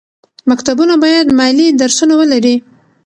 مکتبونه باید مالي درسونه ولري.